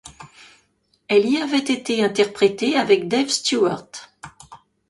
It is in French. Elle y avait été interprétée avec Dave Stewart.